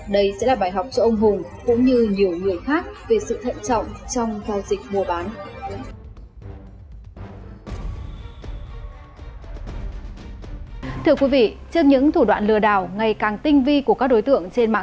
đây sẽ là bài học cho ông hùng cũng như nhiều người khác về sự thận trọng trong giao dịch mua bán